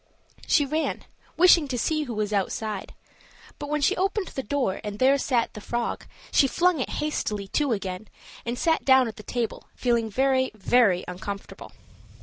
She ran, wishing to see who was outside; but when she opened the door and there sat the frog, she flung it hastily to again and sat down at table, feeling very, very uncomfortable.